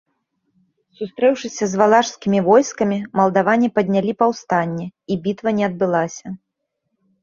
Сустрэўшыся з валашскімі войскамі, малдаване паднялі паўстанне, і бітва не адбылася.